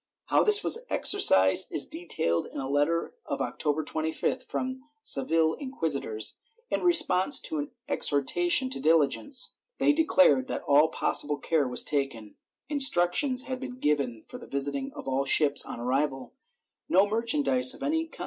How this was exercised is detailed in a letter of October 25th from the Seville inquisitors, in response to an exhortation to diligence. They de clare that all possible care was taken ; instructions had been given for the visiting of all ships on arrival ; no merchandise of any kind ' Archive <lc Rimancas, Inq.